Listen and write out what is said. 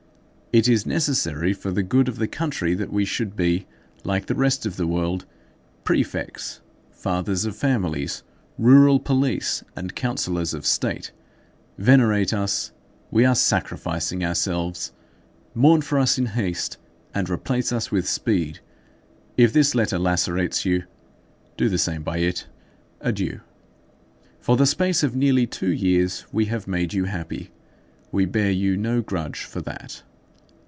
It is necessary for the good of the country that we should be, like the rest of the world, prefects, fathers of families, rural police, and councillors of state. Venerate us. We are sacrificing ourselves. Mourn for us in haste, and replace us with speed. If this letter lacerates you, do the same by it. Adieu. "For the space of nearly two years we have made you happy. We bear you no grudge for that.